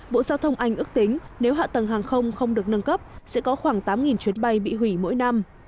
bộ giao thông anh ước tính nếu hạ tầng hàng không không được nâng cấp sẽ có khoảng tám chuyến bay bị hủy mỗi năm